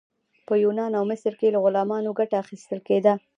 په یونان او مصر کې له غلامانو ګټه اخیستل کیده.